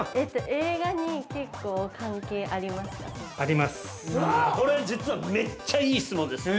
◆映画に結構関係ありますか？